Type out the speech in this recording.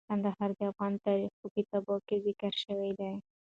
کندهار د افغان تاریخ په کتابونو کې ذکر شوی دی.